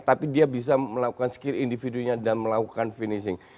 tapi dia bisa melakukan skill individunya dan melakukan finishing